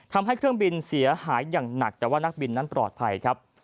ทำให้เครื่องบินเสียหายอย่างหนักแต่ว่านักบินนั้นปลอดภัยครับ